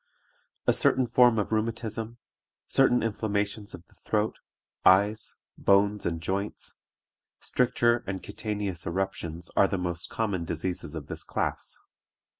A certain form of rheumatism, certain inflammations of the throat, eyes, bones, and joints; stricture and cutaneous eruptions are the most common diseases of this class.